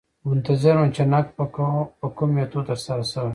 منتظر وم چې نقد په کوم میتود ترسره شوی.